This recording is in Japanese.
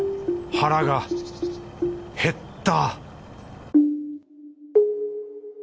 腹が減った